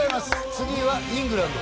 次はイングランド。